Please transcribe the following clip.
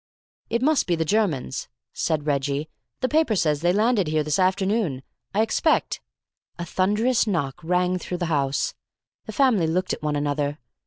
"It must be the Germans," said Reggie. "The paper says they landed here this afternoon. I expect " A thunderous knock rang through the house. The family looked at one another.